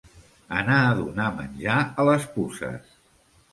Anar a donar menjar a les puces.